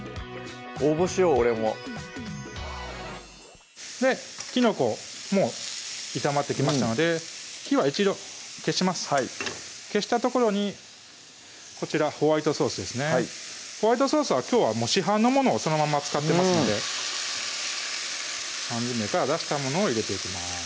応募しよう俺もきのこも炒まってきましたので火は一度消しますはい消したところにこちらホワイトソースですねホワイトソースはきょうは市販のものをそのまま使ってますので缶詰から出したものを入れていきます